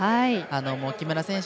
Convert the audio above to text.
木村選手